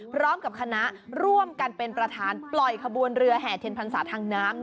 พร้อมกับคณะร่วมกันเป็นประธานปล่อยขบวนเรือแห่เทียนพรรษาทางน้ำ